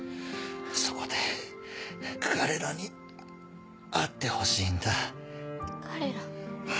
そこで彼らに会ってほしいんだ彼ら？